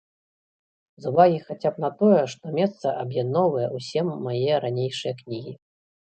З увагі хаця б на тое, што месца аб'ядноўвае ўсе мае ранейшыя кнігі.